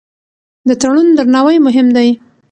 د تړون درناوی مهم دی.